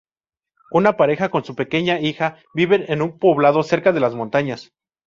Una pareja con su pequeña hija viven en un poblado cerca de las montañas.